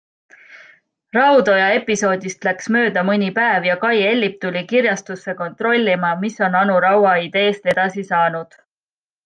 Raudoja episoodist läks mööda mõni päev ja Kai Ellip tuli kirjastusse kontrollima, mis on Anu Raua ideest edasi saanud.